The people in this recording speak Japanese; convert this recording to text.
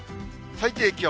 最低気温。